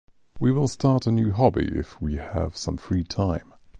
We will start a new hobby if we have some free time.